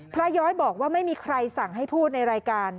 ย้อยบอกว่าไม่มีใครสั่งให้พูดในรายการ